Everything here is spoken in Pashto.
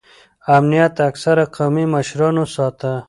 امنیت اکثره قومي مشرانو ساته.